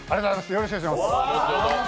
よろしくお願いします！